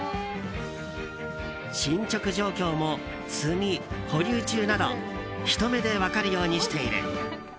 進捗状況も「済」「保留中」などひと目で分かるようにしている。